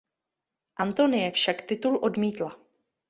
Antonie však titul odmítla.